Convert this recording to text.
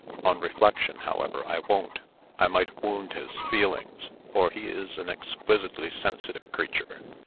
On reflection, however, I won't. I might wound his feelings, for he is an exquisitely sensitive creature.